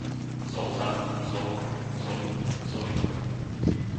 Zoltán, Zolo, Zoli, Zolino